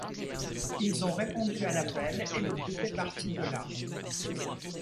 Ils ont répondu à l'appel et le groupe est parti de là.